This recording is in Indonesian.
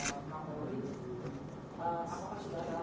kalau tidak mungkin juga mau pertanyaan ke pak bikram bori